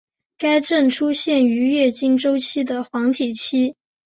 该症出现于月经周期的黄体期。